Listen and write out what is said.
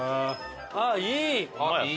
あっいい！